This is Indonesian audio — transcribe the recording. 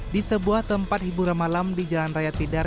di sebuah tempat hiburan malam di jalan raya tidar